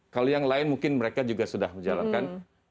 kalau yang lain mungkin mereka juga sudah menjalankan